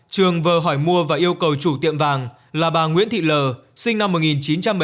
trường vờ hỏi mua và yêu cầu chủ tiệm vàng là bà nguyễn thị lờ sinh năm một nghìn chín trăm bảy mươi bốn